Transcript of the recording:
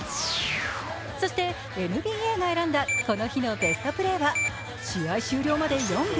そして、ＮＢＡが選んだこの日のベストプレーは試合終了まで４秒。